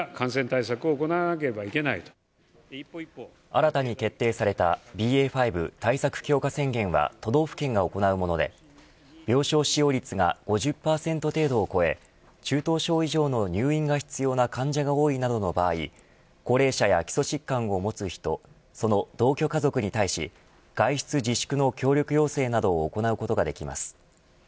新たに決定されたＢＡ．５対策強化宣言は都道府県が行うもので病床使用率が５０％程度を超え中等症以上の入院が必要な患者が多いなどの場合高齢者や基礎疾患を持つ人その同居家族に対し、外出自粛の協力要請などを行うことができます。